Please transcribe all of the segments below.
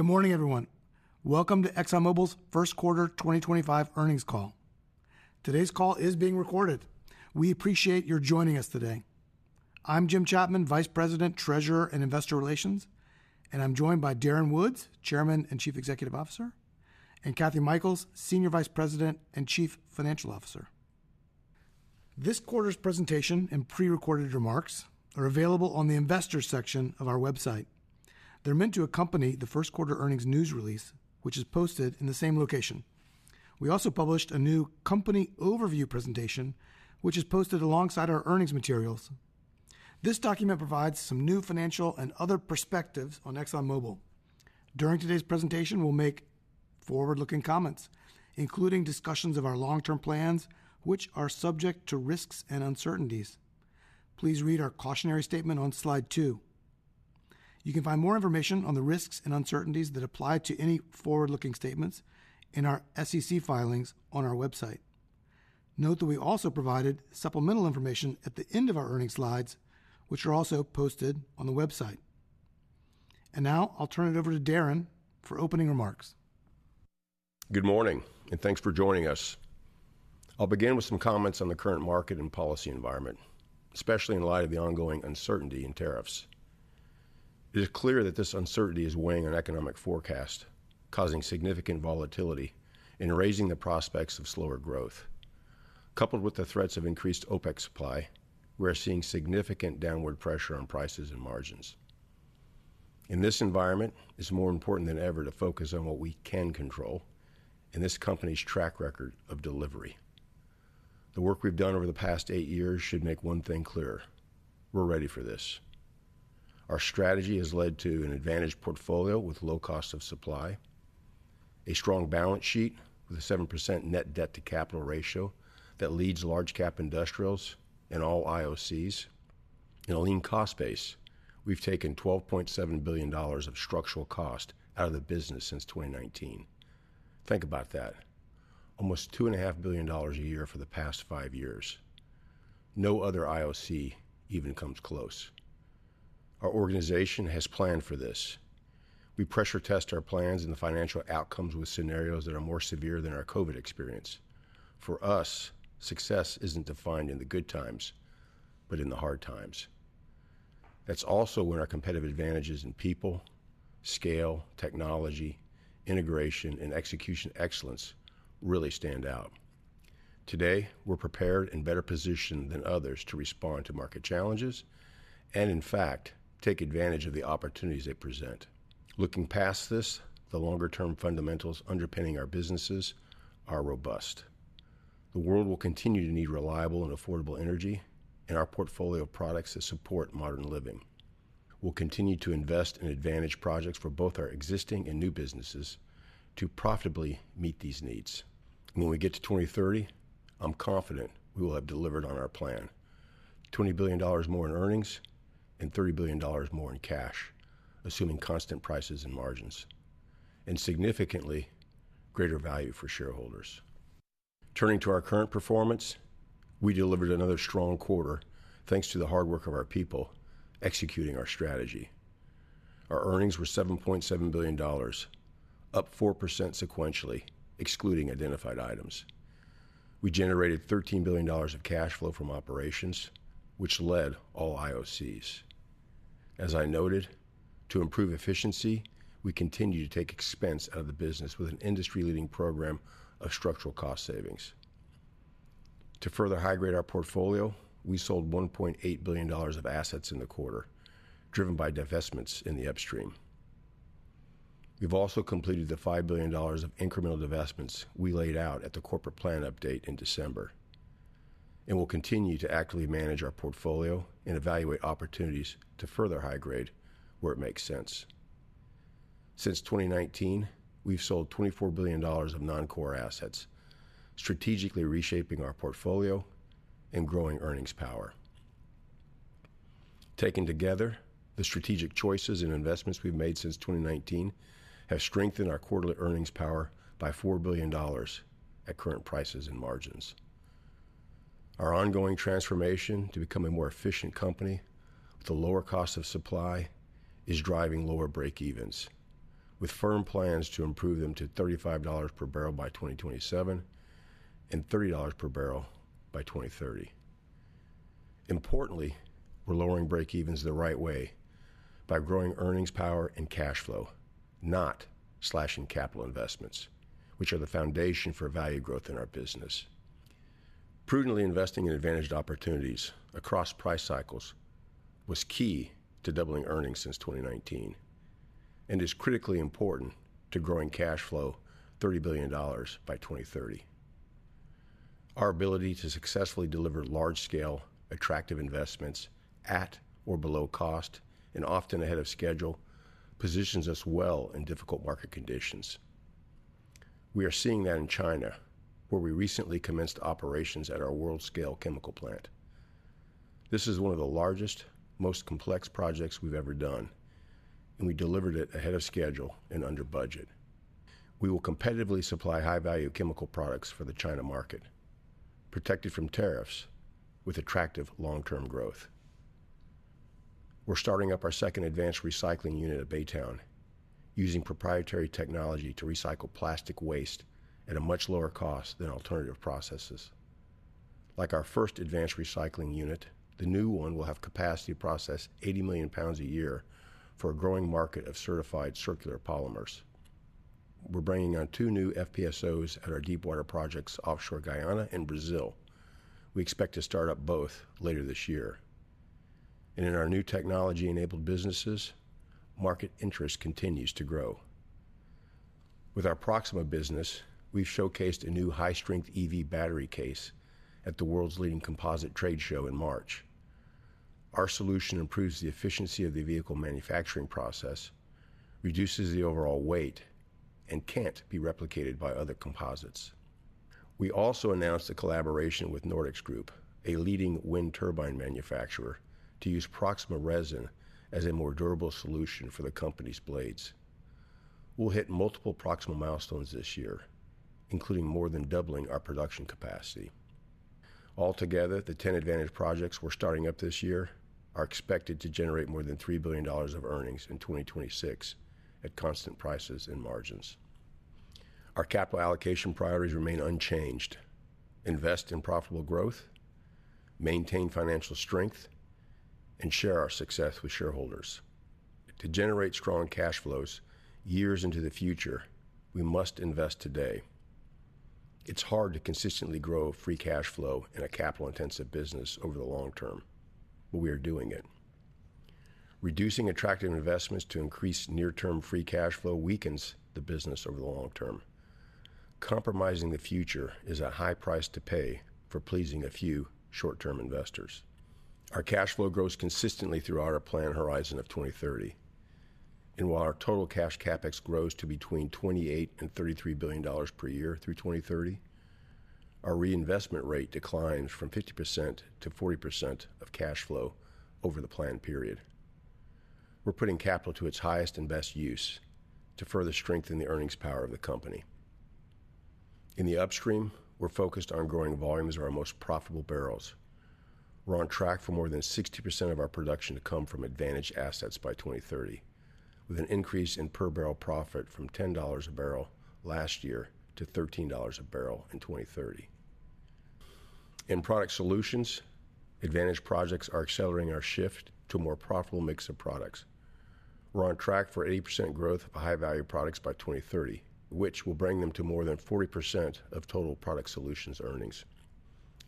Good morning, everyone. Welcome to Exxon Mobil's first quarter 2025 earnings call. Today's call is being recorded. We appreciate your joining us today. I'm Jim Chapman, Vice President, Treasurer and Investor Relations, and I'm joined by Darren Woods, Chairman and Chief Executive Officer, and Kathy Michaels, Senior Vice President and Chief Financial Officer. This quarter's presentation and pre-recorded remarks are available on the Investor section of our website. They're meant to accompany the first quarter earnings news release, which is posted in the same location. We also published a new company overview presentation, which is posted alongside our earnings materials. This document provides some new financial and other perspectives on Exxon Mobil. During today's presentation, we'll make forward-looking comments, including discussions of our long-term plans, which are subject to risks and uncertainties. Please read our cautionary statement on slide two. You can find more information on the risks and uncertainties that apply to any forward-looking statements in our SEC filings on our website. Note that we also provided supplemental information at the end of our earnings slides, which are also posted on the website. I will now turn it over to Darren for opening remarks. Good morning, and thanks for joining us. I'll begin with some comments on the current market and policy environment, especially in light of the ongoing uncertainty in tariffs. It is clear that this uncertainty is weighing on economic forecasts, causing significant volatility and raising the prospects of slower growth. Coupled with the threats of increased OPEC supply, we're seeing significant downward pressure on prices and margins. In this environment, it's more important than ever to focus on what we can control and this company's track record of delivery. The work we've done over the past eight years should make one thing clear: we're ready for this. Our strategy has led to an advantaged portfolio with low cost of supply, a strong balance sheet with a 7% net debt to capital ratio that leads large-cap industrials and all IOCs, and a lean cost base. We've taken $12.7 billion of structural cost out of the business since 2019. Think about that: almost $2.5 billion a year for the past five years. No other IOC even comes close. Our organization has planned for this. We pressure test our plans and the financial outcomes with scenarios that are more severe than our COVID experience. For us, success isn't defined in the good times, but in the hard times. That's also when our competitive advantages in people, scale, technology, integration, and execution excellence really stand out. Today, we're prepared and better positioned than others to respond to market challenges and, in fact, take advantage of the opportunities they present. Looking past this, the longer-term fundamentals underpinning our businesses are robust. The world will continue to need reliable and affordable energy and our portfolio of products that support modern living. We'll continue to invest in advantage projects for both our existing and new businesses to profitably meet these needs. When we get to 2030, I'm confident we will have delivered on our plan: $20 billion more in earnings and $30 billion more in cash, assuming constant prices and margins, and significantly greater value for shareholders. Turning to our current performance, we delivered another strong quarter thanks to the hard work of our people executing our strategy. Our earnings were $7.7 billion, up 4% sequentially, excluding identified items. We generated $13 billion of cash flow from operations, which led all IOCs. As I noted, to improve efficiency, we continue to take expense out of the business with an industry-leading program of structural cost savings. To further high-grade our portfolio, we sold $1.8 billion of assets in the quarter, driven by divestments in the upstream. We've also completed the $5 billion of incremental divestments we laid out at the corporate plan update in December, and we'll continue to actively manage our portfolio and evaluate opportunities to further high-grade where it makes sense. Since 2019, we've sold $24 billion of non-core assets, strategically reshaping our portfolio and growing earnings power. Taken together, the strategic choices and investments we've made since 2019 have strengthened our quarterly earnings power by $4 billion at current prices and margins. Our ongoing transformation to become a more efficient company with a lower cost of supply is driving lower breakevens, with firm plans to improve them to $35 per barrel by 2027 and $30 per barrel by 2030. Importantly, we're lowering breakevens the right way by growing earnings power and cash flow, not slashing capital investments, which are the foundation for value growth in our business. Prudently investing in advantaged opportunities across price cycles was key to doubling earnings since 2019 and is critically important to growing cash flow $30 billion by 2030. Our ability to successfully deliver large-scale, attractive investments at or below cost and often ahead of schedule positions us well in difficult market conditions. We are seeing that in China, where we recently commenced operations at our world-scale chemical plant. This is one of the largest, most complex projects we've ever done, and we delivered it ahead of schedule and under budget. We will competitively supply high-value chemical products for the China market, protected from tariffs with attractive long-term growth. We're starting up our second advanced recycling unit at Baytown, using proprietary technology to recycle plastic waste at a much lower cost than alternative processes. Like our first advanced recycling unit, the new one will have capacity to process 80 million pounds a year for a growing market of certified circular polymers. We are bringing on two new FPSOs at our deep-water projects offshore Guyana and Brazil. We expect to start up both later this year. In our new technology-enabled businesses, market interest continues to grow. With our Proxima business, we have showcased a new high-strength EV battery case at the world's leading composite trade show in March. Our solution improves the efficiency of the vehicle manufacturing process, reduces the overall weight, and cannot be replicated by other composites. We also announced a collaboration with Nordics Group, a leading wind turbine manufacturer, to use Proxima resin as a more durable solution for the company's blades. We will hit multiple Proxima milestones this year, including more than doubling our production capacity. Altogether, the 10 advantage projects we're starting up this year are expected to generate more than $3 billion of earnings in 2026 at constant prices and margins. Our capital allocation priorities remain unchanged: invest in profitable growth, maintain financial strength, and share our success with shareholders. To generate strong cash flows years into the future, we must invest today. It's hard to consistently grow free cash flow in a capital-intensive business over the long term, but we are doing it. Reducing attractive investments to increase near-term free cash flow weakens the business over the long term. Compromising the future is a high price to pay for pleasing a few short-term investors. Our cash flow grows consistently throughout our planned horizon of 2030. While our total cash CapEx grows to between $28 billion and $33 billion per year through 2030, our reinvestment rate declines from 50% to 40% of cash flow over the planned period. We're putting capital to its highest and best use to further strengthen the earnings power of the company. In the upstream, we're focused on growing volumes of our most profitable barrels. We're on track for more than 60% of our production to come from advantage assets by 2030, with an increase in per-barrel profit from $10 a barrel last year to $13 a barrel in 2030. In product solutions, advantage projects are accelerating our shift to a more profitable mix of products. We're on track for 80% growth of high-value products by 2030, which will bring them to more than 40% of total product solutions earnings.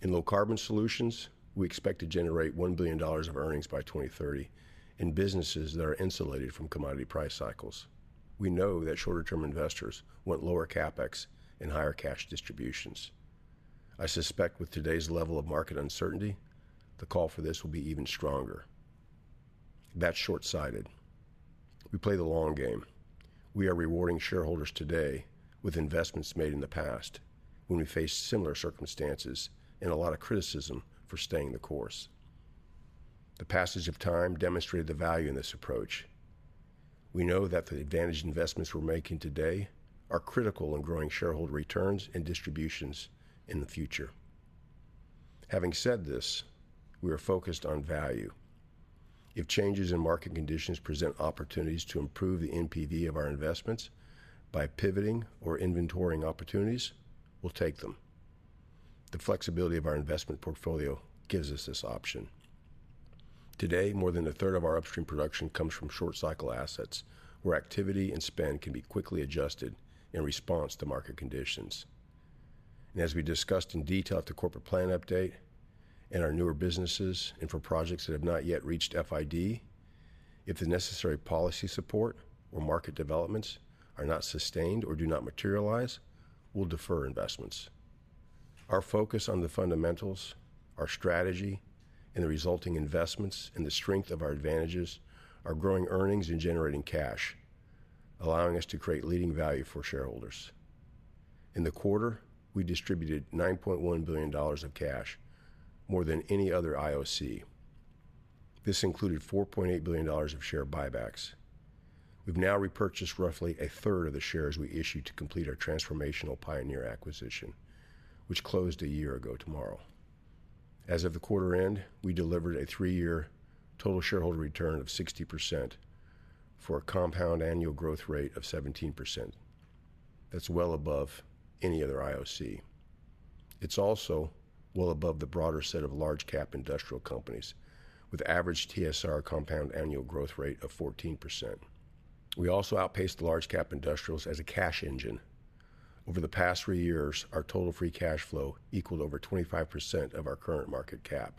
In low-carbon solutions, we expect to generate $1 billion of earnings by 2030 in businesses that are insulated from commodity price cycles. We know that shorter-term investors want lower CapEx and higher cash distributions. I suspect with today's level of market uncertainty, the call for this will be even stronger. That's short-sighted. We play the long game. We are rewarding shareholders today with investments made in the past when we faced similar circumstances and a lot of criticism for staying the course. The passage of time demonstrated the value in this approach. We know that the advantage investments we're making today are critical in growing shareholder returns and distributions in the future. Having said this, we are focused on value. If changes in market conditions present opportunities to improve the NPV of our investments by pivoting or inventorying opportunities, we'll take them. The flexibility of our investment portfolio gives us this option. Today, more than a third of our upstream production comes from short-cycle assets, where activity and spend can be quickly adjusted in response to market conditions. As we discussed in detail at the corporate plan update and our newer businesses and for projects that have not yet reached FID, if the necessary policy support or market developments are not sustained or do not materialize, we'll defer investments. Our focus on the fundamentals, our strategy, and the resulting investments and the strength of our advantages are growing earnings and generating cash, allowing us to create leading value for shareholders. In the quarter, we distributed $9.1 billion of cash, more than any other IOC. This included $4.8 billion of share buybacks. We've now repurchased roughly a third of the shares we issued to complete our transformational Pioneer acquisition, which closed a year ago tomorrow. As of the quarter end, we delivered a three-year total shareholder return of 60% for a compound annual growth rate of 17%. That's well above any other IOC. It's also well above the broader set of large-cap industrial companies, with average TSR compound annual growth rate of 14%. We also outpaced the large-cap industrials as a cash engine. Over the past three years, our total free cash flow equaled over 25% of our current market cap.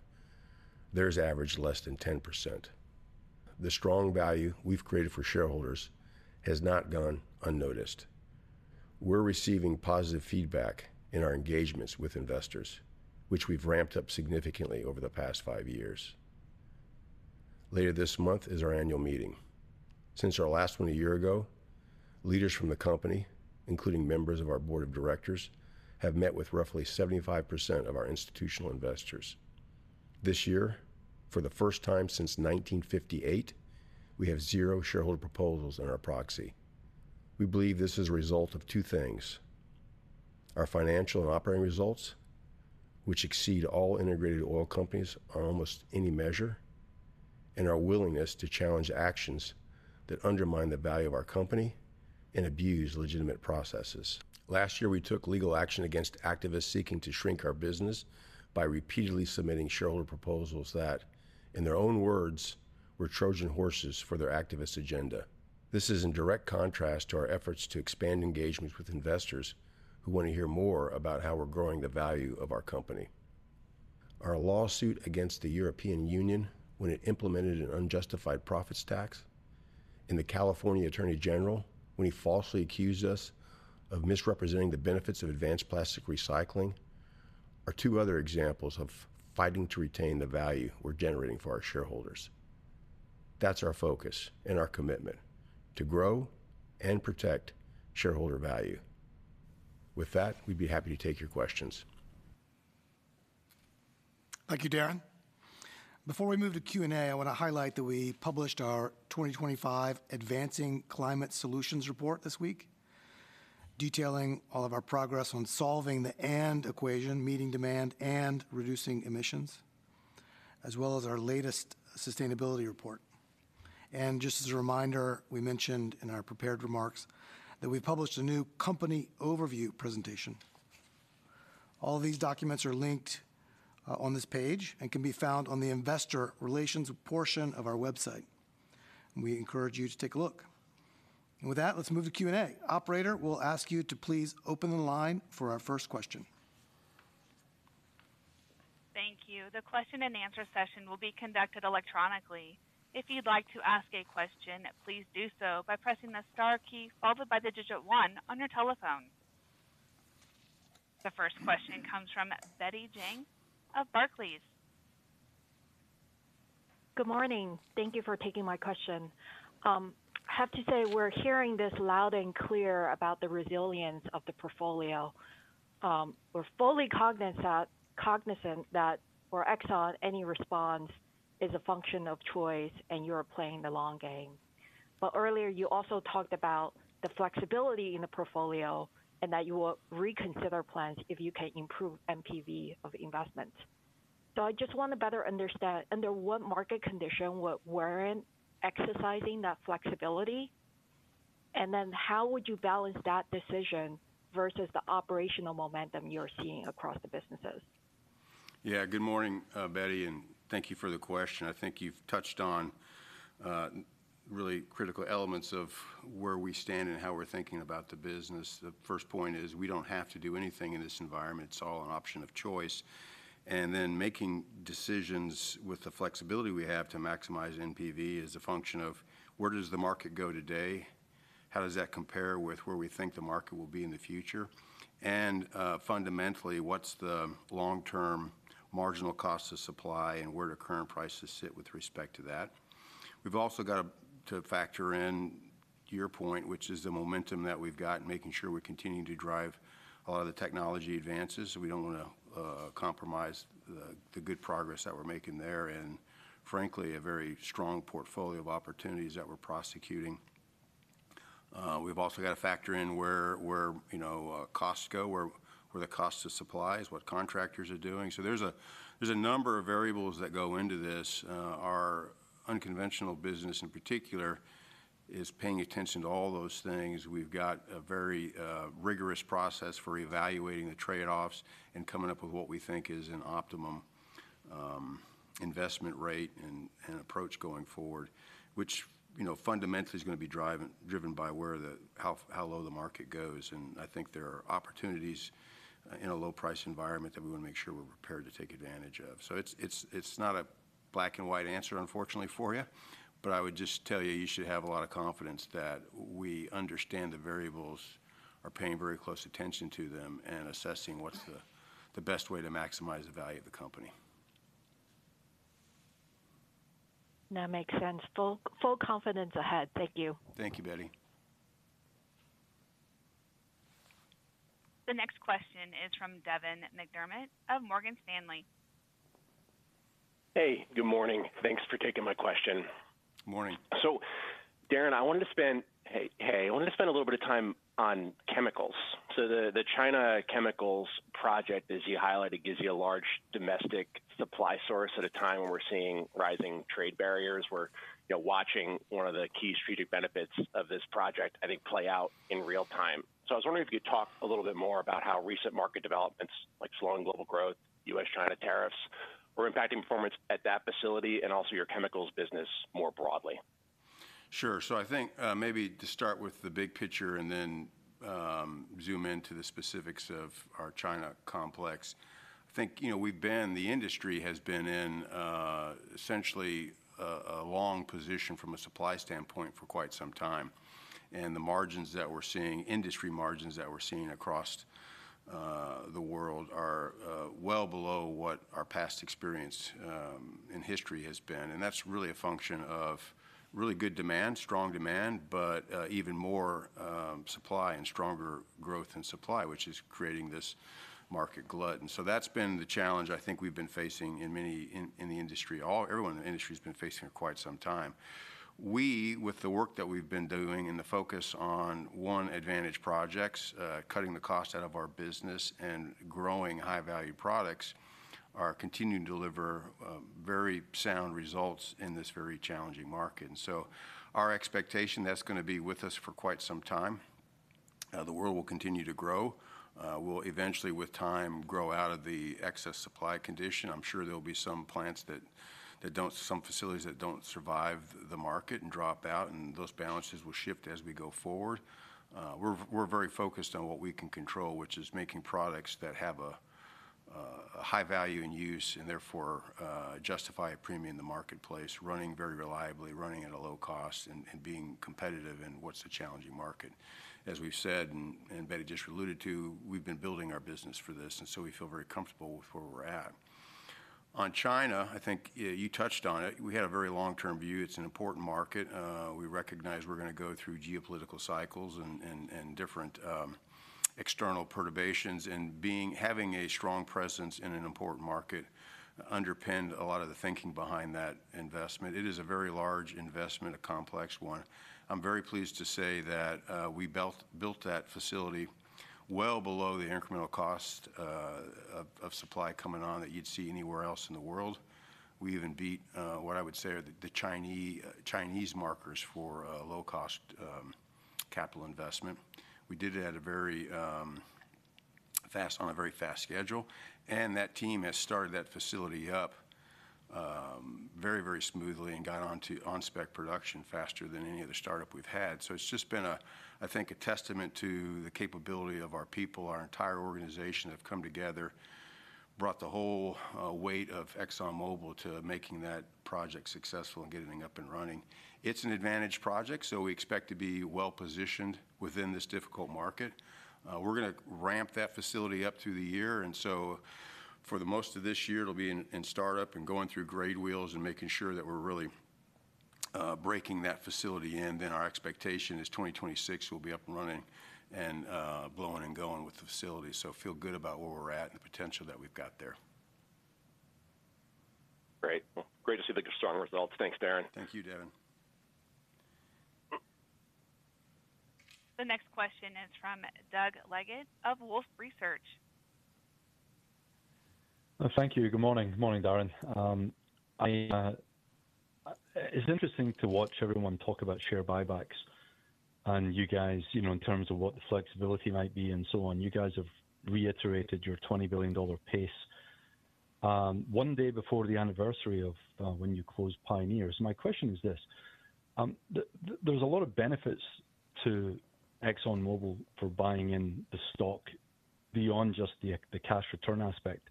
Theirs average less than 10%. The strong value we've created for shareholders has not gone unnoticed. We're receiving positive feedback in our engagements with investors, which we've ramped up significantly over the past five years. Later this month is our annual meeting. Since our last one a year ago, leaders from the company, including members of our board of directors, have met with roughly 75% of our institutional investors. This year, for the first time since 1958, we have zero shareholder proposals in our proxy. We believe this is a result of two things: our financial and operating results, which exceed all integrated oil companies on almost any measure, and our willingness to challenge actions that undermine the value of our company and abuse legitimate processes. Last year, we took legal action against activists seeking to shrink our business by repeatedly submitting shareholder proposals that, in their own words, were Trojan horses for their activist agenda. This is in direct contrast to our efforts to expand engagements with investors who want to hear more about how we're growing the value of our company. Our lawsuit against the European Union when it implemented an unjustified profits tax, and the California Attorney General when he falsely accused us of misrepresenting the benefits of advanced plastic recycling are two other examples of fighting to retain the value we're generating for our shareholders. That's our focus and our commitment: to grow and protect shareholder value. With that, we'd be happy to take your questions. Thank you, Darren. Before we move to Q&A, I want to highlight that we published our 2025 Advancing Climate Solutions Report this week, detailing all of our progress on solving the and equation, meeting demand and reducing emissions, as well as our latest sustainability report. Just as a reminder, we mentioned in our prepared remarks that we published a new company overview presentation. All of these documents are linked on this page and can be found on the investor relations portion of our website. We encourage you to take a look. With that, let's move to Q&A. Operator, we'll ask you to please open the line for our first question. Thank you. The question and answer session will be conducted electronically. If you'd like to ask a question, please do so by pressing the star key followed by the digit one on your telephone. The first question comes from Betty Jiang of Barclays. Good morning. Thank you for taking my question. I have to say we're hearing this loud and clear about the resilience of the portfolio. We're fully cognizant that for Exxon, any response is a function of choice and you're playing the long game. Earlier, you also talked about the flexibility in the portfolio and that you will reconsider plans if you can improve NPV of investments. I just want to better understand under what market condition we're exercising that flexibility, and then how would you balance that decision versus the operational momentum you're seeing across the businesses? Yeah, good morning, Betty, and thank you for the question. I think you've touched on really critical elements of where we stand and how we're thinking about the business. The first point is we don't have to do anything in this environment. It's all an option of choice. Making decisions with the flexibility we have to maximize NPV is a function of where does the market go today? How does that compare with where we think the market will be in the future? Fundamentally, what's the long-term marginal cost of supply and where do current prices sit with respect to that? We've also got to factor in your point, which is the momentum that we've got, making sure we continue to drive a lot of the technology advances. We don't want to compromise the good progress that we're making there and, frankly, a very strong portfolio of opportunities that we're prosecuting. We've also got to factor in where the cost of supply is, what contractors are doing. There are a number of variables that go into this. Our unconventional business, in particular, is paying attention to all those things. We've got a very rigorous process for evaluating the trade-offs and coming up with what we think is an optimum investment rate and approach going forward, which fundamentally is going to be driven by how low the market goes. I think there are opportunities in a low-price environment that we want to make sure we're prepared to take advantage of. It's not a black-and-white answer, unfortunately, for you, but I would just tell you you should have a lot of confidence that we understand the variables, are paying very close attention to them, and assessing what's the best way to maximize the value of the company. That makes sense. Full confidence ahead. Thank you. Thank you, Betty. The next question is from Devin McDermott of Morgan Stanley. Hey, good morning. Thanks for taking my question. Morning. Darren, I wanted to spend—hey, I wanted to spend a little bit of time on chemicals. The China chemicals project, as you highlighted, gives you a large domestic supply source at a time when we're seeing rising trade barriers. We're watching one of the key strategic benefits of this project, I think, play out in real time. I was wondering if you could talk a little bit more about how recent market developments, like slowing global growth, U.S.-China tariffs, were impacting performance at that facility and also your chemicals business more broadly. Sure. I think maybe to start with the big picture and then zoom into the specifics of our China complex, I think we've been—the industry has been in essentially a long position from a supply standpoint for quite some time. The margins that we're seeing, industry margins that we're seeing across the world, are well below what our past experience in history has been. That's really a function of really good demand, strong demand, but even more supply and stronger growth in supply, which is creating this market glut. That has been the challenge I think we've been facing in many—in the industry. Everyone in the industry has been facing it for quite some time. We, with the work that we've been doing and the focus on, one, advantage projects, cutting the cost out of our business and growing high-value products, are continuing to deliver very sound results in this very challenging market. Our expectation is that's going to be with us for quite some time. The world will continue to grow. We'll eventually, with time, grow out of the excess supply condition. I'm sure there will be some plants that don't—some facilities that don't survive the market and drop out, and those balances will shift as we go forward. We're very focused on what we can control, which is making products that have a high value in use and therefore justify a premium in the marketplace, running very reliably, running at a low cost, and being competitive in what's a challenging market. As we've said, and Betty just alluded to, we've been building our business for this, and we feel very comfortable with where we're at. On China, I think you touched on it. We had a very long-term view. It's an important market. We recognize we're going to go through geopolitical cycles and different external perturbations, and having a strong presence in an important market underpinned a lot of the thinking behind that investment. It is a very large investment, a complex one. I'm very pleased to say that we built that facility well below the incremental cost of supply coming on that you'd see anywhere else in the world. We even beat what I would say are the Chinese markers for low-cost capital investment. We did it on a very fast schedule. That team has started that facility up very, very smoothly and got onto on-spec production faster than any other startup we've had. It has just been, I think, a testament to the capability of our people, our entire organization that have come together, brought the whole weight of ExxonMobil to making that project successful and getting it up and running. It's an advantage project, so we expect to be well-positioned within this difficult market. We're going to ramp that facility up through the year. For most of this year, it'll be in startup and going through grade wheels and making sure that we're really breaking that facility in. Our expectation is 2026 we'll be up and running and blowing and going with the facility. Feel good about where we're at and the potential that we've got there. Great. Great to see the strong results. Thanks, Darren. Thank you, Devin. The next question is from Doug Leggett of Wolfe Research. Thank you. Good morning. Good morning, Darren. It's interesting to watch everyone talk about share buybacks and you guys in terms of what the flexibility might be and so on. You guys have reiterated your $20 billion pace one day before the anniversary of when you closed Pioneers. My question is this: there's a lot of benefits to Exxon Mobil for buying in the stock beyond just the cash return aspect,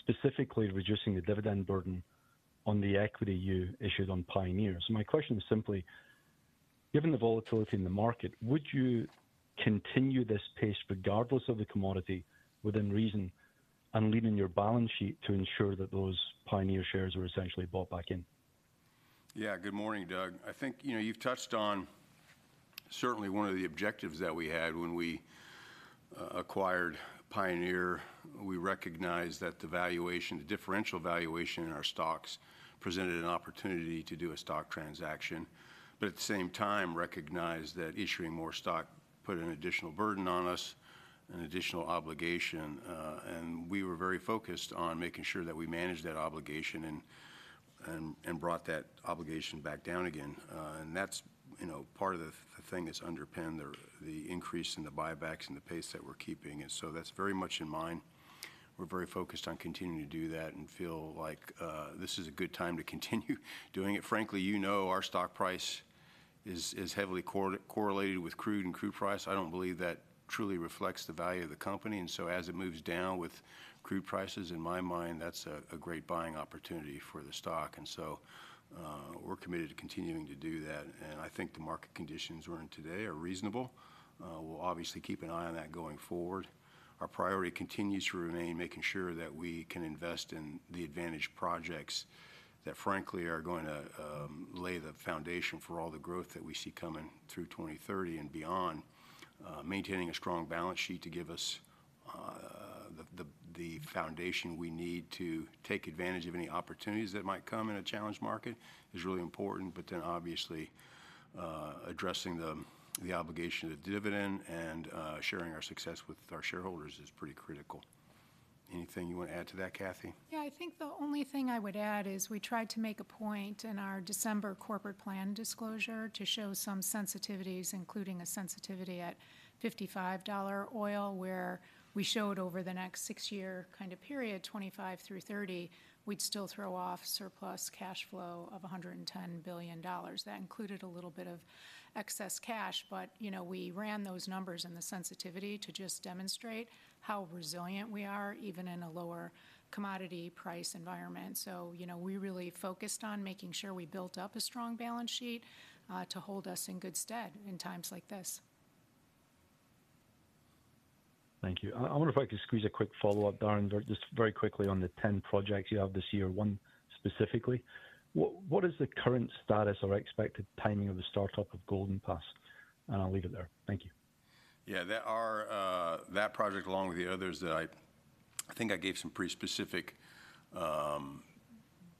specifically reducing the dividend burden on the equity you issued on Pioneers. My question is simply, given the volatility in the market, would you continue this pace regardless of the commodity within reason and leaning your balance sheet to ensure that those Pioneer shares were essentially bought back in? Yeah, good morning, Doug. I think you've touched on certainly one of the objectives that we had when we acquired Pioneer. We recognized that the valuation, the differential valuation in our stocks presented an opportunity to do a stock transaction, but at the same time recognized that issuing more stock put an additional burden on us, an additional obligation. We were very focused on making sure that we managed that obligation and brought that obligation back down again. That is part of the thing that has underpinned the increase in the buybacks and the pace that we are keeping. That is very much in mind. We are very focused on continuing to do that and feel like this is a good time to continue doing it. Frankly, you know our stock price is heavily correlated with crude and crude price. I do not believe that truly reflects the value of the company. As it moves down with crude prices, in my mind, that is a great buying opportunity for the stock. We are committed to continuing to do that. I think the market conditions we are in today are reasonable. We will obviously keep an eye on that going forward. Our priority continues to remain making sure that we can invest in the advantage projects that, frankly, are going to lay the foundation for all the growth that we see coming through 2030 and beyond. Maintaining a strong balance sheet to give us the foundation we need to take advantage of any opportunities that might come in a challenge market is really important. Obviously, addressing the obligation of dividend and sharing our success with our shareholders is pretty critical. Anything you want to add to that, Kathy? Yeah, I think the only thing I would add is we tried to make a point in our December corporate plan disclosure to show some sensitivities, including a sensitivity at $55 oil where we showed over the next six-year kind of period, 2025 through 2030, we would still throw off surplus cash flow of $110 billion. That included a little bit of excess cash, but we ran those numbers and the sensitivity to just demonstrate how resilient we are even in a lower commodity price environment. We really focused on making sure we built up a strong balance sheet to hold us in good stead in times like this. Thank you. I wonder if I could squeeze a quick follow-up, Darren, just very quickly on the 10 projects you have this year, one specifically. What is the current status or expected timing of the startup of Golden Pass? I'll leave it there. Thank you. Yeah, that project, along with the others that I think I gave some pretty specific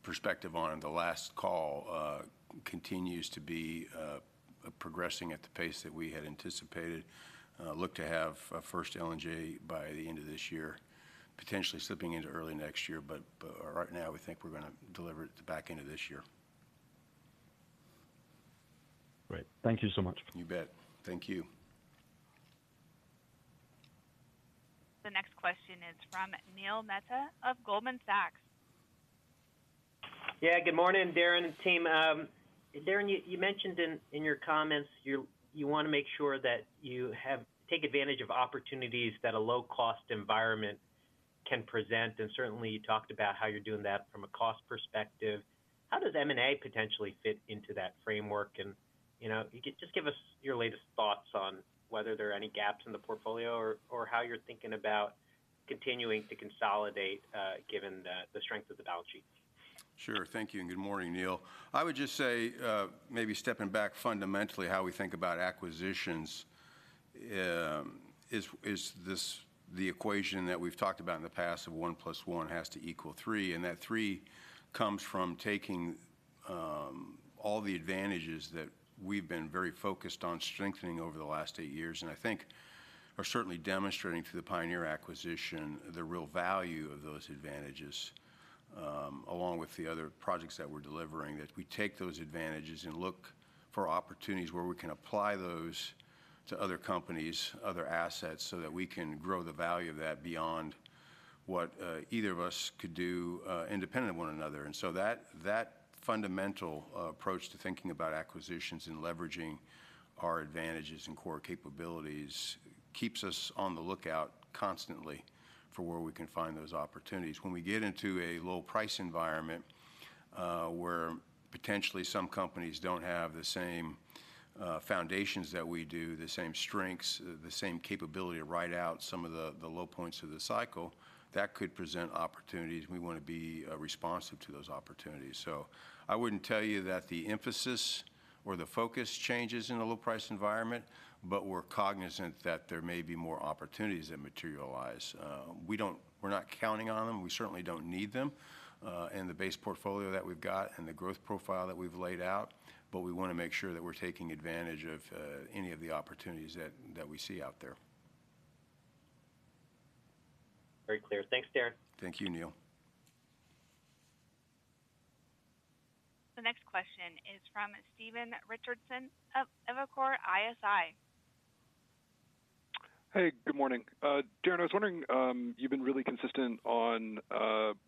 perspective on in the last call, continues to be progressing at the pace that we had anticipated. Look to have a first L&J by the end of this year, potentially slipping into early next year, but right now we think we're going to deliver it at the back end of this year. Great. Thank you so much. You bet. Thank you. The next question is from Neil Metta of Goldman Sachs. Yeah, good morning, Darren and team. Darren, you mentioned in your comments you want to make sure that you take advantage of opportunities that a low-cost environment can present. Certainly you talked about how you're doing that from a cost perspective. How does M&A potentially fit into that framework? Just give us your latest thoughts on whether there are any gaps in the portfolio or how you're thinking about continuing to consolidate given the strength of the balance sheet. Sure. Thank you. Good morning, Neil. I would just say, maybe stepping back fundamentally, how we think about acquisitions is the equation that we've talked about in the past of one plus one has to equal three. That three comes from taking all the advantages that we've been very focused on strengthening over the last eight years. I think we're certainly demonstrating through the Pioneer acquisition the real value of those advantages along with the other projects that we're delivering, that we take those advantages and look for opportunities where we can apply those to other companies, other assets so that we can grow the value of that beyond what either of us could do independent of one another. That fundamental approach to thinking about acquisitions and leveraging our advantages and core capabilities keeps us on the lookout constantly for where we can find those opportunities. When we get into a low-price environment where potentially some companies do not have the same foundations that we do, the same strengths, the same capability to ride out some of the low points of the cycle, that could present opportunities. We want to be responsive to those opportunities. I would not tell you that the emphasis or the focus changes in a low-price environment, but we are cognizant that there may be more opportunities that materialize. We are not counting on them. We certainly do not need them in the base portfolio that we have got and the growth profile that we have laid out, but we want to make sure that we are taking advantage of any of the opportunities that we see out there. Very clear. Thanks, Darren. Thank you, Neil. The next question is from Stephen Richardson of Evercore ISI. Hey, good morning. Darren, I was wondering, you've been really consistent on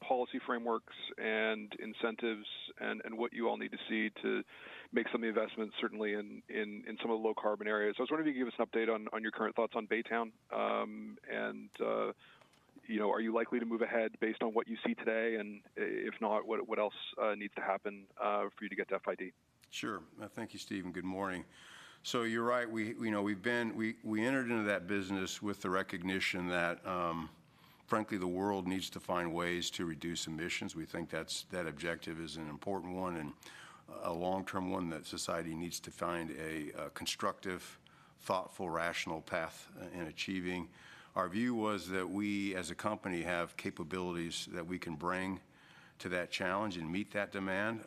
policy frameworks and incentives and what you all need to see to make some of the investments certainly in some of the low-carbon areas. I was wondering if you could give us an update on your current thoughts on Baytown. Are you likely to move ahead based on what you see today? If not, what else needs to happen for you to get to FID? Sure. Thank you, Steven. Good morning. You're right. We entered into that business with the recognition that, frankly, the world needs to find ways to reduce emissions. We think that objective is an important one and a long-term one that society needs to find a constructive, thoughtful, rational path in achieving. Our view was that we as a company have capabilities that we can bring to that challenge and meet that demand.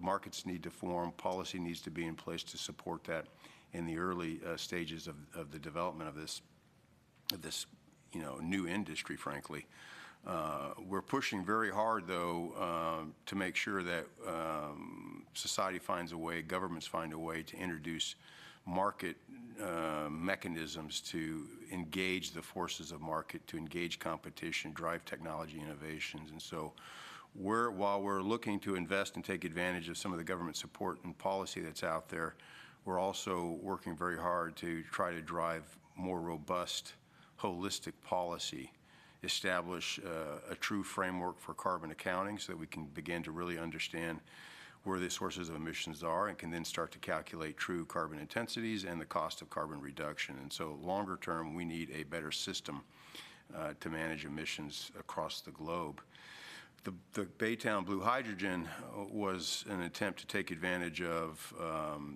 Markets need to form. Policy needs to be in place to support that in the early stages of the development of this new industry, frankly. We're pushing very hard, though, to make sure that society finds a way, governments find a way to introduce market mechanisms to engage the forces of market, to engage competition, drive technology innovations. While we're looking to invest and take advantage of some of the government support and policy that's out there, we're also working very hard to try to drive more robust, holistic policy, establish a true framework for carbon accounting so that we can begin to really understand where the sources of emissions are and can then start to calculate true carbon intensities and the cost of carbon reduction. Longer term, we need a better system to manage emissions across the globe. The Baytown Blue Hydrogen was an attempt to take advantage of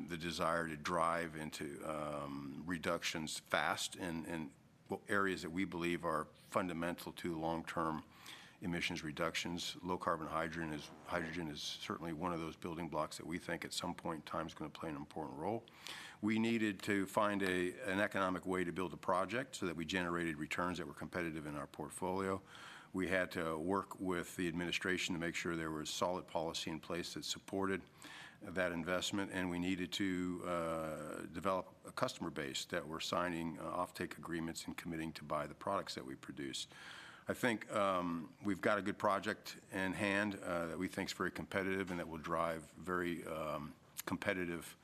the desire to drive into reductions fast in areas that we believe are fundamental to long-term emissions reductions. Low-carbon hydrogen is certainly one of those building blocks that we think at some point in time is going to play an important role. We needed to find an economic way to build a project so that we generated returns that were competitive in our portfolio. We had to work with the administration to make sure there was solid policy in place that supported that investment. We needed to develop a customer base that were signing offtake agreements and committing to buy the products that we produce. I think we've got a good project in hand that we think is very competitive and that will drive very competitive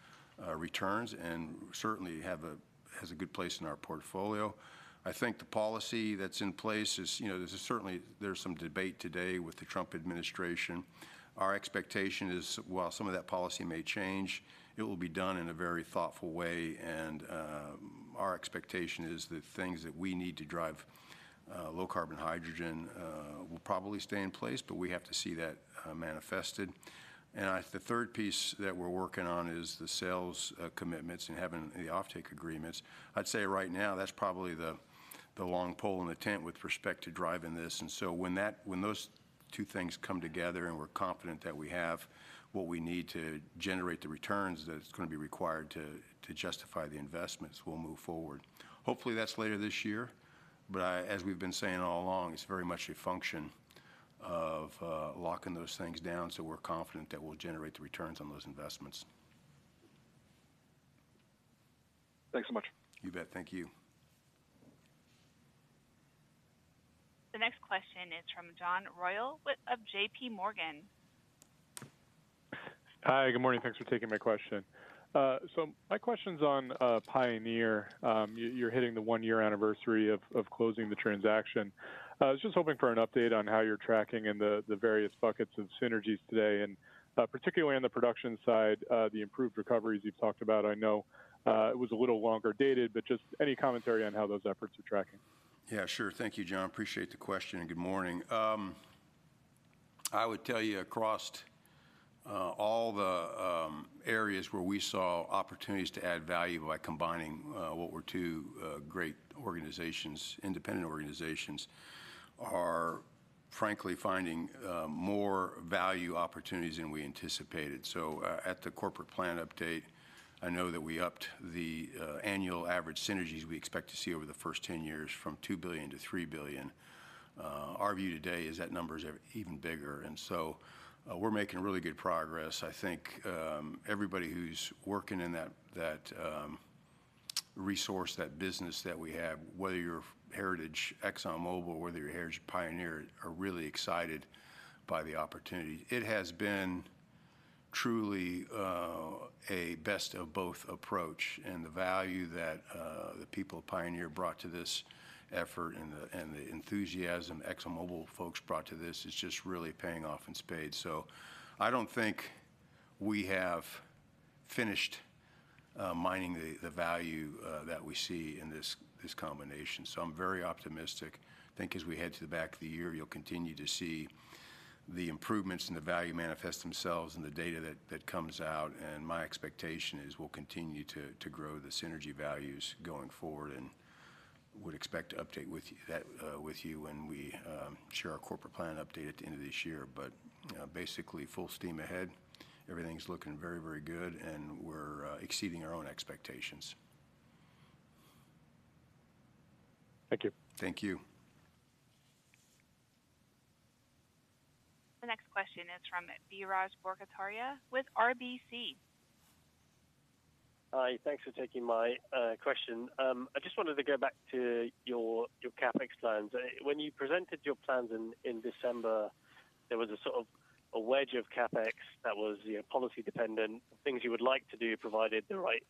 returns and certainly has a good place in our portfolio. I think the policy that's in place is certainly there's some debate today with the Trump administration. Our expectation is, while some of that policy may change, it will be done in a very thoughtful way. Our expectation is that things that we need to drive low-carbon hydrogen will probably stay in place, but we have to see that manifested. The third piece that we're working on is the sales commitments and having the offtake agreements. I'd say right now that's probably the long pole in the tent with respect to driving this. When those two things come together and we're confident that we have what we need to generate the returns that's going to be required to justify the investments, we'll move forward. Hopefully that's later this year. As we've been saying all along, it's very much a function of locking those things down so we're confident that we'll generate the returns on those investments. Thanks so much. You bet. Thank you. The next question is from John Royall of JP Morgan. Hi. Good morning. Thanks for taking my question. My question's on Pioneer. You're hitting the one-year anniversary of closing the transaction. I was just hoping for an update on how you're tracking in the various buckets of synergies today and particularly on the production side, the improved recoveries you've talked about. I know it was a little longer dated, but just any commentary on how those efforts are tracking? Yeah, sure. Thank you, John. Appreciate the question and good morning. I would tell you across all the areas where we saw opportunities to add value by combining what were two great organizations, independent organizations, are frankly finding more value opportunities than we anticipated. At the corporate plan update, I know that we upped the annual average synergies we expect to see over the first 10 years from $2 billion to $3 billion. Our view today is that number is even bigger. We are making really good progress. I think everybody who's working in that resource, that business that we have, whether you're Heritage Exxon Mobil, whether you're Heritage Pioneer, are really excited by the opportunity. It has been truly a best of both approach. The value that the people at Pioneer brought to this effort and the enthusiasm Exxon Mobil folks brought to this is just really paying off in spades. I don't think we have finished mining the value that we see in this combination. I'm very optimistic. I think as we head to the back of the year, you'll continue to see the improvements and the value manifest themselves in the data that comes out. My expectation is we'll continue to grow the synergy values going forward and would expect to update with you when we share our corporate plan update at the end of this year. Basically full steam ahead. Everything's looking very, very good and we're exceeding our own expectations. Thank you. Thank you. The next question is from Biraj Borkhataria with RBC. Hi. Thanks for taking my question. I just wanted to go back to your CapEx plans. When you presented your plans in December, there was a sort of a wedge of CapEx that was policy dependent. Things you would like to do provided the right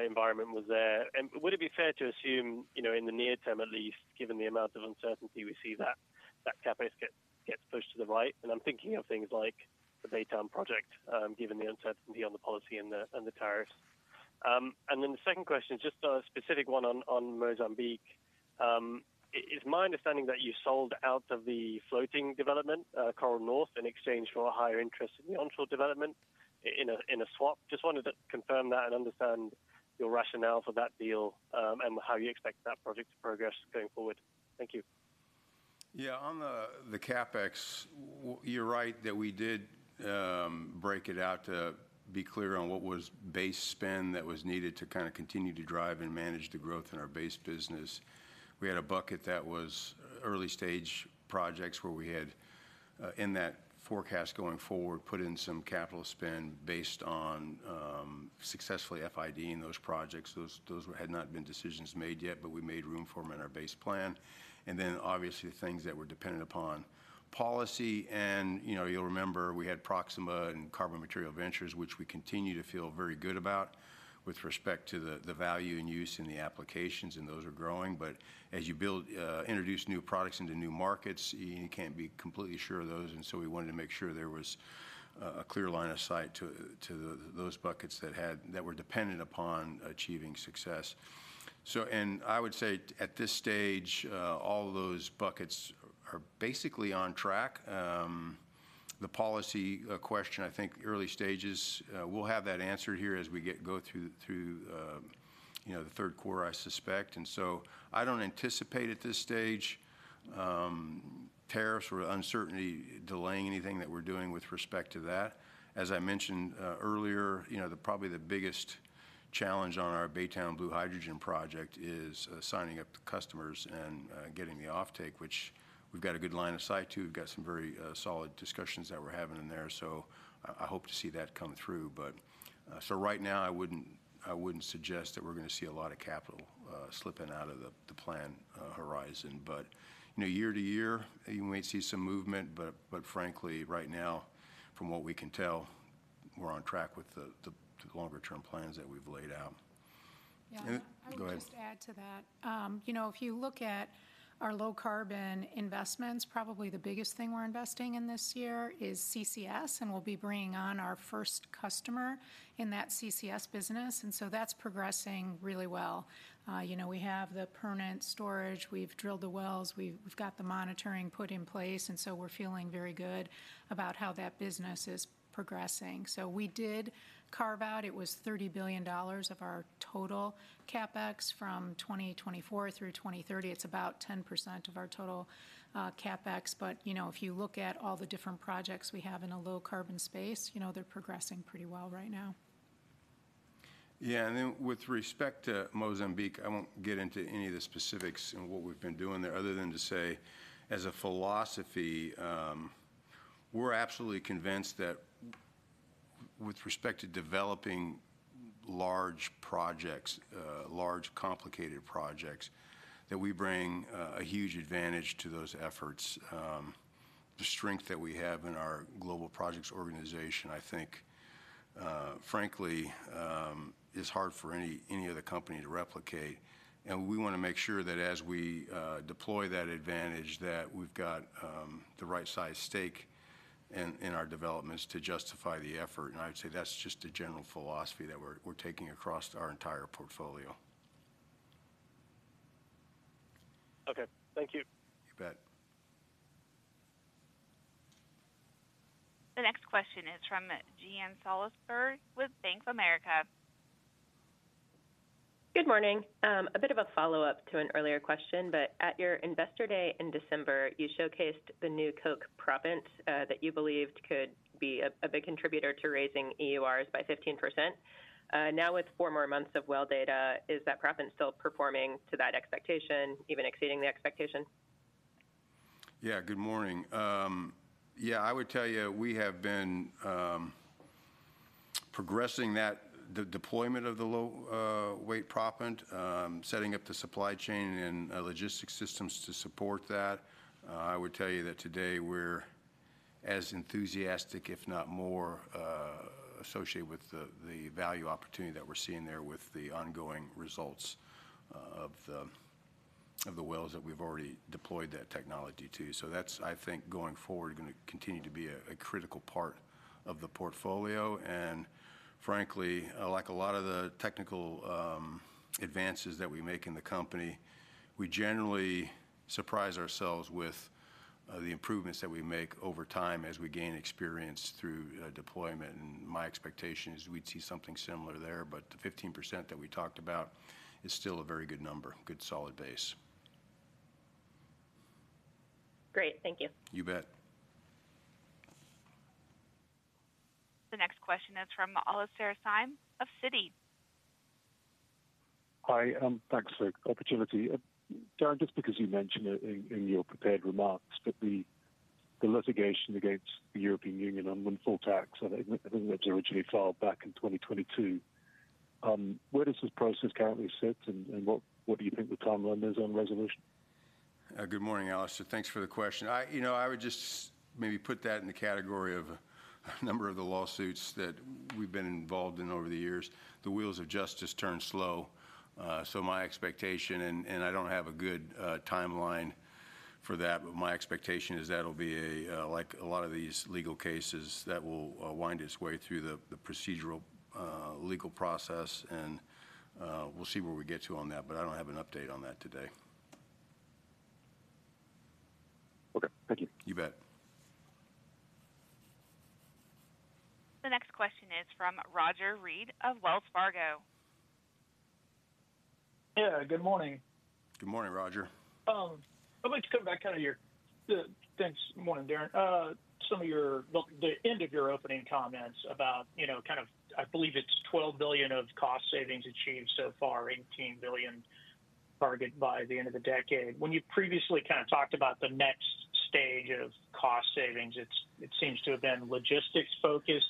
environment was there. Would it be fair to assume in the near term at least, given the amount of uncertainty we see, that CapEx gets pushed to the right? I'm thinking of things like the Baytown project given the uncertainty on the policy and the tariffs. The second question is just a specific one on Mozambique. It's my understanding that you sold out of the floating development, Coral North, in exchange for a higher interest in the onshore development in a swap. Just wanted to confirm that and understand your rationale for that deal and how you expect that project to progress going forward. Thank you. Yeah, on the CapEx, you're right that we did break it out to be clear on what was base spend that was needed to kind of continue to drive and manage the growth in our base business. We had a bucket that was early stage projects where we had in that forecast going forward put in some capital spend based on successfully FIDing those projects. Those had not been decisions made yet, but we made room for them in our base plan. Obviously the things that were dependent upon policy. You'll remember we had Proxima and Carbon Material Ventures, which we continue to feel very good about with respect to the value and use in the applications. Those are growing. As you introduce new products into new markets, you can't be completely sure of those. We wanted to make sure there was a clear line of sight to those buckets that were dependent upon achieving success. I would say at this stage, all of those buckets are basically on track. The policy question, I think early stages, we'll have that answered here as we go through the third quarter, I suspect. I do not anticipate at this stage tariffs or uncertainty delaying anything that we're doing with respect to that. As I mentioned earlier, probably the biggest challenge on our Baytown Blue Hydrogen project is signing up the customers and getting the offtake, which we've got a good line of sight to. We've got some very solid discussions that we're having in there. I hope to see that come through. Right now, I would not suggest that we are going to see a lot of capital slipping out of the plan horizon. Year to year, you might see some movement. Frankly, right now, from what we can tell, we are on track with the longer-term plans that we have laid out. I would just add to that. If you look at our low-carbon investments, probably the biggest thing we are investing in this year is CCS. We will be bringing on our first customer in that CCS business. That is progressing really well. We have the permanent storage. We have drilled the wells. We have the monitoring put in place. We are feeling very good about how that business is progressing. We did carve out, it was $30 billion of our total CapEx from 2024 through 2030. It is about 10% of our total CapEx. If you look at all the different projects we have in a low-carbon space, they're progressing pretty well right now. Yeah. With respect to Mozambique, I won't get into any of the specifics in what we've been doing there other than to say as a philosophy, we're absolutely convinced that with respect to developing large projects, large complicated projects, that we bring a huge advantage to those efforts. The strength that we have in our global projects organization, I think frankly is hard for any other company to replicate. We want to make sure that as we deploy that advantage, that we've got the right size stake in our developments to justify the effort. I would say that's just a general philosophy that we're taking across our entire portfolio. Okay. Thank you. You bet. The next question is from Jean Salisbury with Bank of America. Good morning. A bit of a follow-up to an earlier question. At your investor day in December, you showcased the new Coke Provent that you believed could be a big contributor to raising EURs by 15%. Now with four more months of well data, is that Provent still performing to that expectation, even exceeding the expectation? Yeah, good morning. Yeah, I would tell you we have been progressing that deployment of the low-weight Provent, setting up the supply chain and logistics systems to support that. I would tell you that today we're as enthusiastic, if not more, associated with the value opportunity that we're seeing there with the ongoing results of the wells that we've already deployed that technology to. I think going forward that is going to continue to be a critical part of the portfolio. Frankly, like a lot of the technical advances that we make in the company, we generally surprise ourselves with the improvements that we make over time as we gain experience through deployment. My expectation is we'd see something similar there. The 15% that we talked about is still a very good number, good solid base. Great. Thank you. You bet. The next question is from Alastair Syme of CITI. Hi. Thanks for the opportunity. Just because you mentioned it in your prepared remarks, the litigation against the European Union on windfall tax, I think that was originally filed back in 2022. Where does this process currently sit and what do you think the timeline is on resolution? Good morning, Alasdair. Thanks for the question. I would just maybe put that in the category of a number of the lawsuits that we've been involved in over the years. The wheels of justice turn slow. My expectation, and I don't have a good timeline for that, but my expectation is that'll be like a lot of these legal cases that will wind its way through the procedural legal process. We'll see where we get to on that. I don't have an update on that today. Okay. Thank you. You bet. The next question is from Roger Reed of Wells Fargo. Yeah, good morning. Good morning, Roger. I'd like to come back on your thanks. Morning, Darren. Some of the end of your opening comments about kind of, I believe it's $12 billion of cost savings achieved so far, $18 billion target by the end of the decade. When you previously kind of talked about the next stage of cost savings, it seems to have been logistics focused.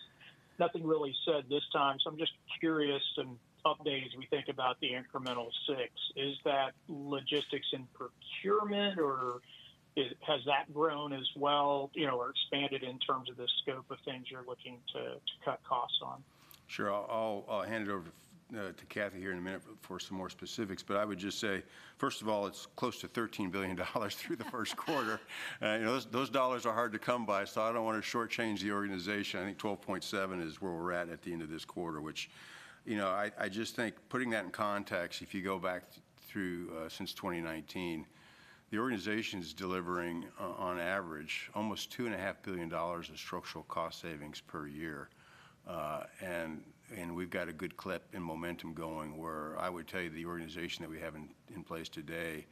Nothing really said this time. I am just curious and updated as we think about the incremental six. Is that logistics and procurement or has that grown as well or expanded in terms of the scope of things you are looking to cut costs on? Sure. I will hand it over to Kathy here in a minute for some more specifics. I would just say, first of all, it is close to $13 billion through the first quarter. Those dollars are hard to come by. I do not want to shortchange the organization. I think $12.7 billion is where we're at at the end of this quarter, which I just think putting that in context, if you go back through since 2019, the organization is delivering on average almost $2.5 billion in structural cost savings per year. We've got a good clip in momentum going where I would tell you the organization that we have in place today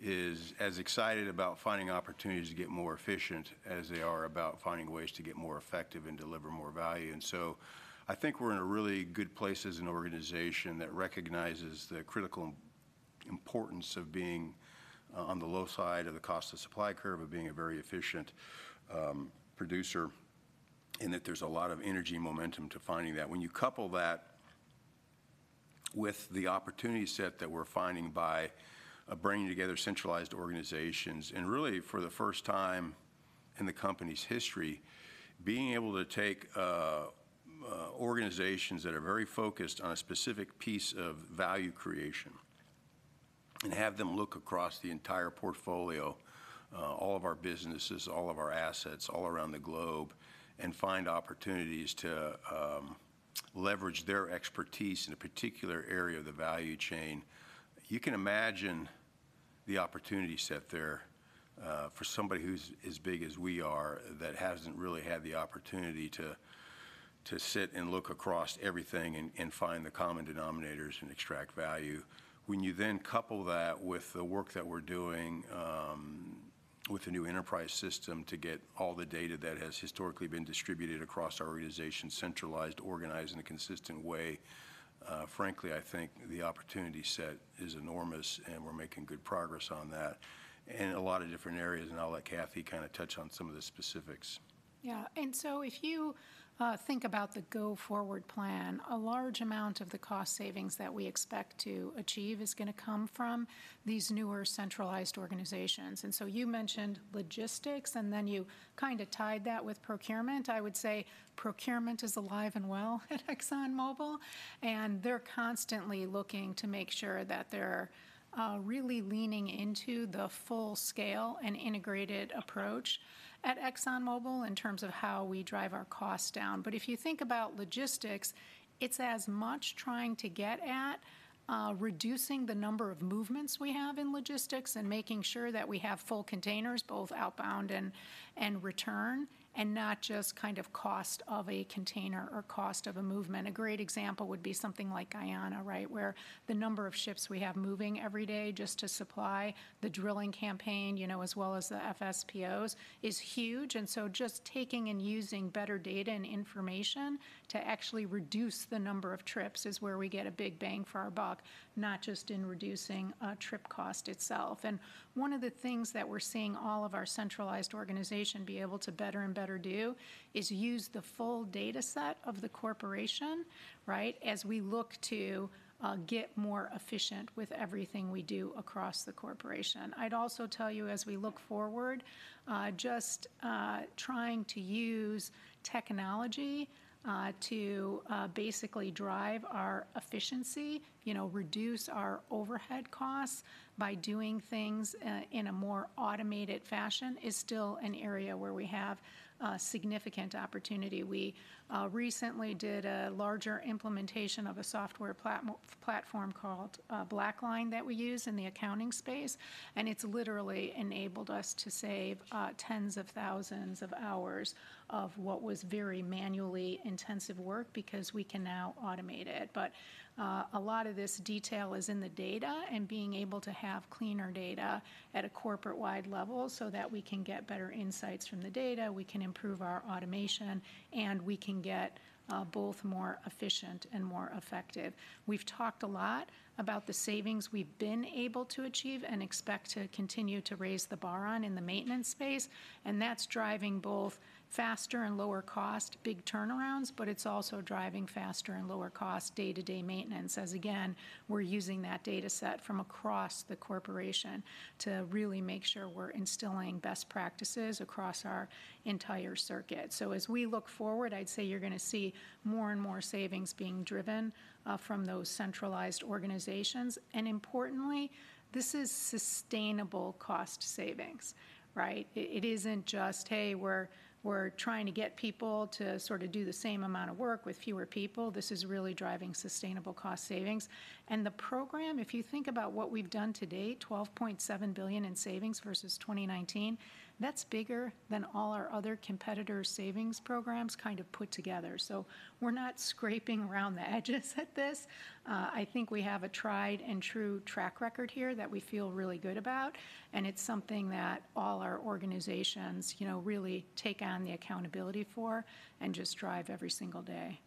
is as excited about finding opportunities to get more efficient as they are about finding ways to get more effective and deliver more value. I think we're in a really good place as an organization that recognizes the critical importance of being on the low side of the cost of supply curve, of being a very efficient producer, and that there's a lot of energy momentum to finding that. When you couple that with the opportunity set that we're finding by bringing together centralized organizations and really for the first time in the company's history, being able to take organizations that are very focused on a specific piece of value creation and have them look across the entire portfolio, all of our businesses, all of our assets all around the globe, and find opportunities to leverage their expertise in a particular area of the value chain. You can imagine the opportunity set there for somebody who's as big as we are that hasn't really had the opportunity to sit and look across everything and find the common denominators and extract value. When you then couple that with the work that we're doing with the new enterprise system to get all the data that has historically been distributed across our organization, centralized, organized in a consistent way, frankly, I think the opportunity set is enormous and we're making good progress on that in a lot of different areas. I'll let Kathy kind of touch on some of the specifics. Yeah. If you think about the go-forward plan, a large amount of the cost savings that we expect to achieve is going to come from these newer centralized organizations. You mentioned logistics and then you kind of tied that with procurement. I would say procurement is alive and well at ExxonMobil. They're constantly looking to make sure that they're really leaning into the full scale and integrated approach at ExxonMobil in terms of how we drive our costs down. If you think about logistics, it's as much trying to get at reducing the number of movements we have in logistics and making sure that we have full containers, both outbound and return, and not just kind of cost of a container or cost of a movement. A great example would be something like Guyana, right, where the number of ships we have moving every day just to supply the drilling campaign as well as the FPSOs is huge. Just taking and using better data and information to actually reduce the number of trips is where we get a big bang for our buck, not just in reducing trip cost itself. One of the things that we're seeing all of our centralized organization be able to better and better do is use the full data set of the corporation as we look to get more efficient with everything we do across the corporation. I'd also tell you as we look forward, just trying to use technology to basically drive our efficiency, reduce our overhead costs by doing things in a more automated fashion is still an area where we have significant opportunity. We recently did a larger implementation of a software platform called Blackline that we use in the accounting space. It's literally enabled us to save tens of thousands of hours of what was very manually intensive work because we can now automate it. A lot of this detail is in the data and being able to have cleaner data at a corporate-wide level so that we can get better insights from the data, we can improve our automation, and we can get both more efficient and more effective. We've talked a lot about the savings we've been able to achieve and expect to continue to raise the bar on in the maintenance space. That's driving both faster and lower cost, big turnarounds, but it's also driving faster and lower cost day-to-day maintenance as, again, we're using that data set from across the corporation to really make sure we're instilling best practices across our entire circuit. As we look forward, I'd say you're going to see more and more savings being driven from those centralized organizations. Importantly, this is sustainable cost savings. It isn't just, "Hey, we're trying to get people to sort of do the same amount of work with fewer people." This is really driving sustainable cost savings. The program, if you think about what we've done to date, $12.7 billion in savings versus 2019, that's bigger than all our other competitor savings programs kind of put together. We're not scraping around the edges at this. I think we have a tried-and-true track record here that we feel really good about. It's something that all our organizations really take on the accountability for and just drive every single day.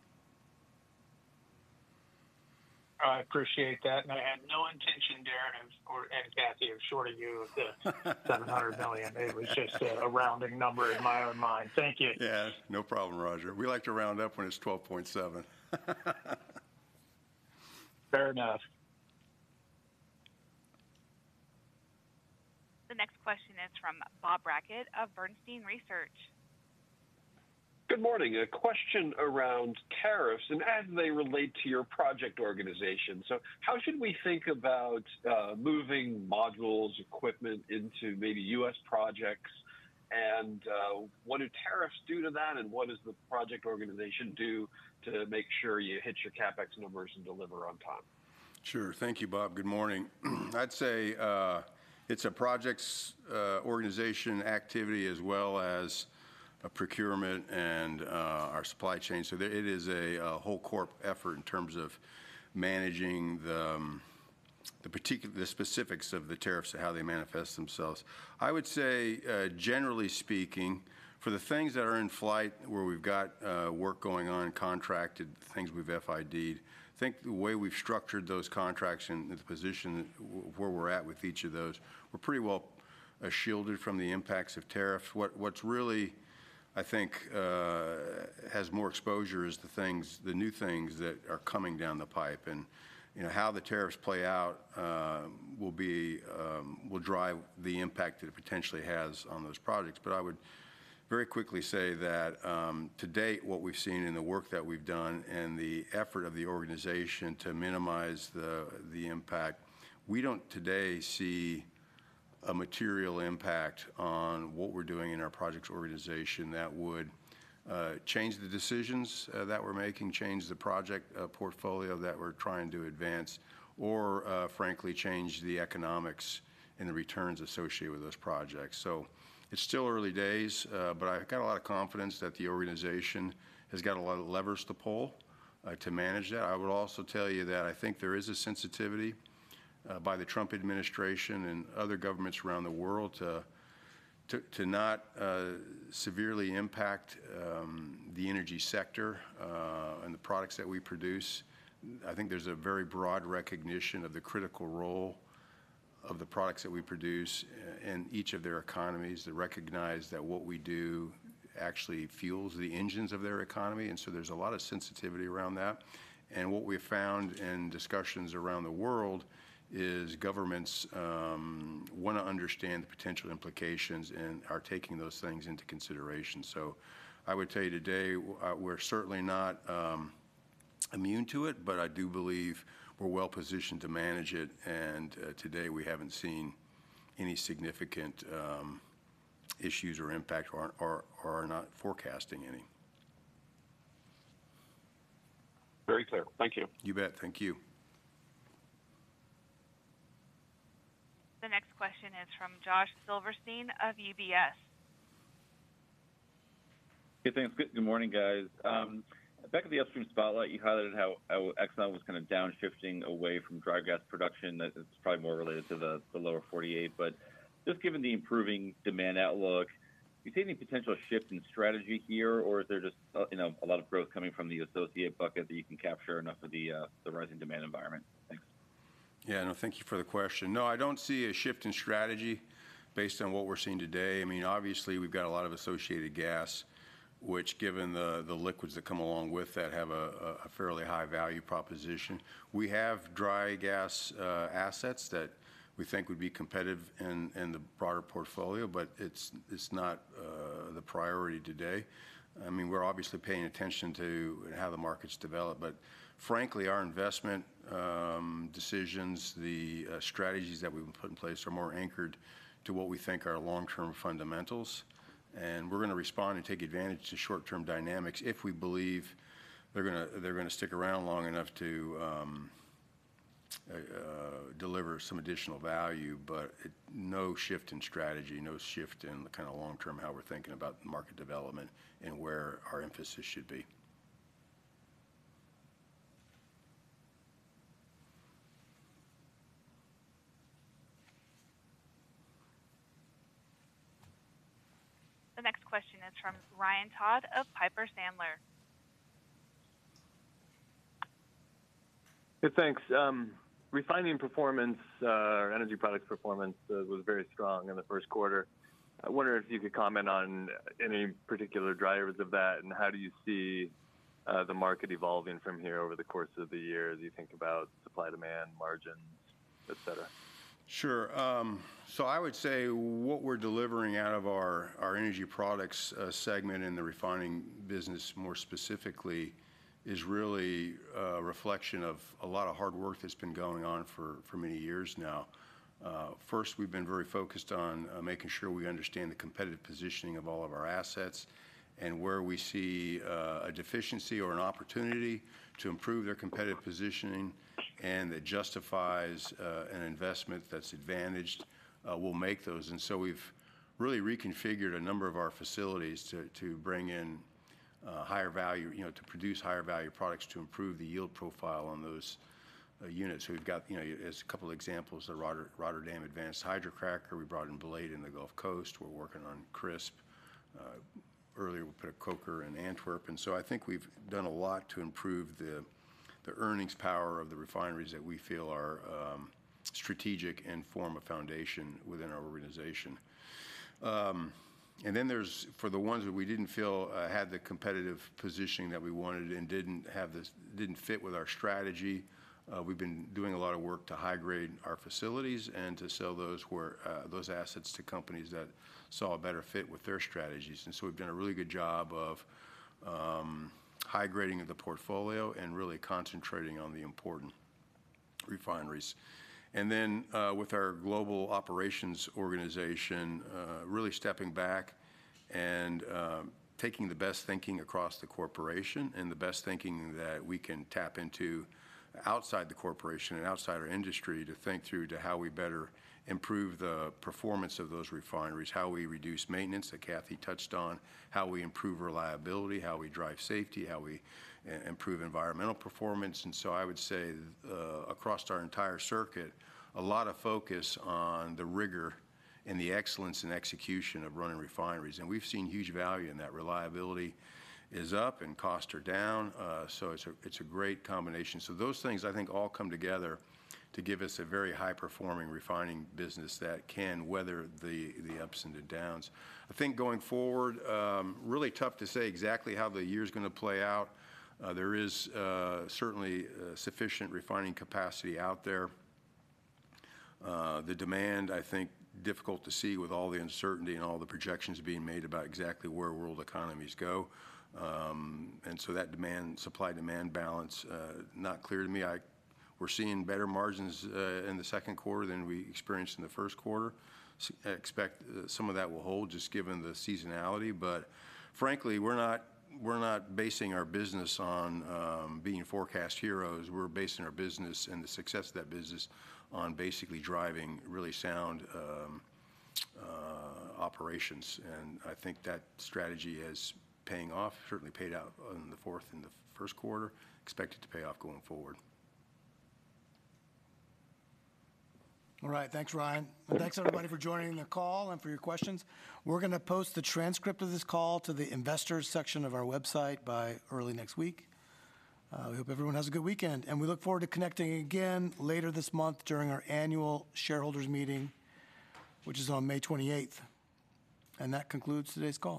I appreciate that. I had no intention, Darren and Kathy, of shorting you of the $700 million. It was just a rounding number in my own mind. Thank you. Yeah. No problem, Roger. We like to round up when it's $12.7 billion. Fair enough. The next question is from Bob Brackett of Bernstein Research. Good morning. A question around tariffs and as they relate to your project organization. How should we think about moving modules, equipment into maybe U.S. projects? What do tariffs do to that? What does the project organization do to make sure you hit your CapEx numbers and deliver on time? Sure. Thank you, Bob. Good morning. I'd say it's a project organization activity as well as a procurement and our supply chain. It is a whole corp effort in terms of managing the specifics of the tariffs and how they manifest themselves. I would say, generally speaking, for the things that are in flight where we've got work going on contracted, things we've FIDed, I think the way we've structured those contracts and the position where we're at with each of those, we're pretty well shielded from the impacts of tariffs. What really, I think, has more exposure is the new things that are coming down the pipe. How the tariffs play out will drive the impact that it potentially has on those projects. I would very quickly say that to date, what we've seen in the work that we've done and the effort of the organization to minimize the impact, we don't today see a material impact on what we're doing in our project organization that would change the decisions that we're making, change the project portfolio that we're trying to advance, or frankly, change the economics and the returns associated with those projects. It is still early days, but I've got a lot of confidence that the organization has got a lot of levers to pull to manage that. I would also tell you that I think there is a sensitivity by the Trump administration and other governments around the world to not severely impact the energy sector and the products that we produce. I think there's a very broad recognition of the critical role of the products that we produce in each of their economies to recognize that what we do actually fuels the engines of their economy. There's a lot of sensitivity around that. What we have found in discussions around the world is governments want to understand the potential implications and are taking those things into consideration. I would tell you today, we're certainly not immune to it, but I do believe we're well positioned to manage it. Today, we haven't seen any significant issues or impact or are not forecasting any. Very clear. Thank you. You bet. Thank you. The next question is from Josh Silverstein of UBS. Hey, thanks. Good morning, guys. Back at the upstream spotlight, you highlighted how Exxon was kind of downshifting away from dry gas production. It's probably more related to the Lower 48. But just given the improving demand outlook, do you see any potential shift in strategy here, or is there just a lot of growth coming from the associate bucket that you can capture enough of the rising demand environment? Thanks. Yeah. No, thank you for the question. No, I don't see a shift in strategy based on what we're seeing today. I mean, obviously, we've got a lot of associated gas, which, given the liquids that come along with that, have a fairly high value proposition. We have dry gas assets that we think would be competitive in the broader portfolio, but it's not the priority today. I mean, we're obviously paying attention to how the markets develop. Frankly, our investment decisions, the strategies that we've put in place are more anchored to what we think are long-term fundamentals. We're going to respond and take advantage of the short-term dynamics if we believe they're going to stick around long enough to deliver some additional value, but no shift in strategy, no shift in the kind of long-term how we're thinking about market development and where our emphasis should be. The next question is from Ryan Todd of Piper Sandler. Hey, thanks. Refining performance, our energy products performance was very strong in the first quarter. I wonder if you could comment on any particular drivers of that and how do you see the market evolving from here over the course of the year as you think about supply-demand margins, etc.? Sure. I would say what we're delivering out of our energy products segment in the refining business more specifically is really a reflection of a lot of hard work that's been going on for many years now. First, we've been very focused on making sure we understand the competitive positioning of all of our assets and where we see a deficiency or an opportunity to improve their competitive positioning and that justifies an investment that's advantaged will make those. We have really reconfigured a number of our facilities to bring in higher value, to produce higher value products, to improve the yield profile on those units. We have, as a couple of examples, the Rotterdam Advanced Hydrocracker. We brought in Blade in the Gulf Coast. We are working on Crisp. Earlier, we put a Coker in Antwerp. I think we have done a lot to improve the earnings power of the refineries that we feel are strategic and form a foundation within our organization. There is, for the ones that we did not feel had the competitive positioning that we wanted and did not fit with our strategy, we have been doing a lot of work to high-grade our facilities and to sell those assets to companies that saw a better fit with their strategies. We have done a really good job of high-grading the portfolio and really concentrating on the important refineries. With our global operations organization, really stepping back and taking the best thinking across the corporation and the best thinking that we can tap into outside the corporation and outside our industry to think through how we better improve the performance of those refineries, how we reduce maintenance that Kathy touched on, how we improve reliability, how we drive safety, how we improve environmental performance. I would say across our entire circuit, a lot of focus on the rigor and the excellence and execution of running refineries. We have seen huge value in that. Reliability is up and costs are down. It is a great combination. Those things, I think, all come together to give us a very high-performing refining business that can weather the ups and the downs. I think going forward, really tough to say exactly how the year is going to play out. There is certainly sufficient refining capacity out there. The demand, I think, difficult to see with all the uncertainty and all the projections being made about exactly where world economies go. That supply-demand balance, not clear to me. We are seeing better margins in the second quarter than we experienced in the first quarter. Expect some of that will hold just given the seasonality. Frankly, we're not basing our business on being forecast heroes. We're basing our business and the success of that business on basically driving really sound operations. I think that strategy is paying off, certainly paid out in the fourth and the first quarter, expected to pay off going forward. All right. Thanks, Ryan. Thanks, everybody, for joining the call and for your questions. We're going to post the transcript of this call to the investors section of our website by early next week. We hope everyone has a good weekend. We look forward to connecting again later this month during our annual shareholders meeting, which is on May 28th. That concludes today's call.